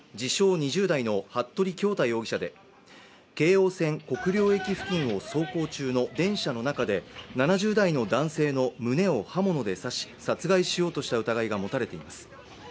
・２０代の服部恭太容疑者で京王線国領駅付近を走行中の電車の中で、７０代の男性の胸を刃物で刺し殺害しようとした疑いが持たれています。